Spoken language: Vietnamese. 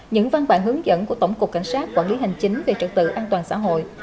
những văn bản hướng dẫn của tổng cục cảnh sát quản lý hành chính về trật tự an toàn xã hội